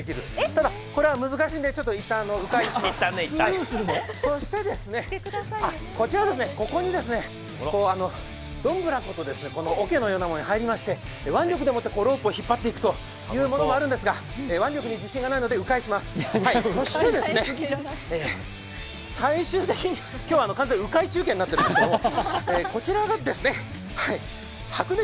ただ、これは難しいのでいったんそして、ここにどんぶらことおけのようなものに入りまして、腕力でもってロープを引っ張っていくというものがあるんですが腕力に自信がないので、う回しますそして、最終的に今日は完全にう回中継になっていますけど、こちらが白熱！